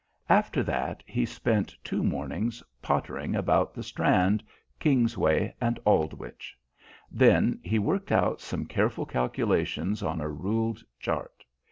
After that he spent two mornings pottering about the Strand, Kingsway, and Aldwych; then he worked out some careful calculations on a ruled chart.